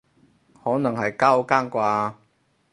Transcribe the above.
可能係交更啩